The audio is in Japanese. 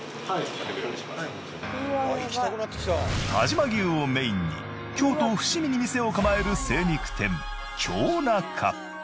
但馬牛をメインに京都伏見に店を構える精肉店京中。